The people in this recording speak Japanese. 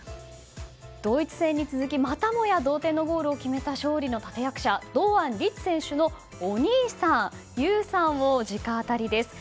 ドイツ戦に続きまたもや同点のゴールを決めた勝利の立役者堂安律選手のお兄さん憂さんを直アタリです。